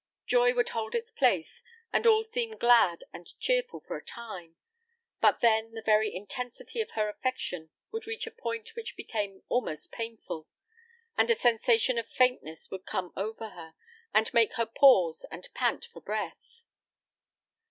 Joy would hold its place, and all seem glad and cheerful for a time; but then, the very intensity of her affection would reach a point which became almost painful, and a sensation of faintness would come over her, and make her pause and pant for breath.